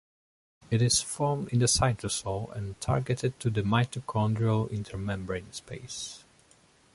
It is formed in the cytosol and targeted to the mitochondrial intermembrane space.